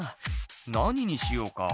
「何にしようか？」